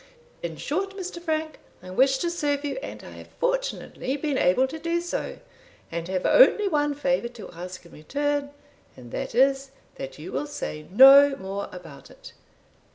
In short, Mr. Frank, I wished to serve you, and I have fortunately been able to do so, and have only one favour to ask in return, and that is, that you will say no more about it.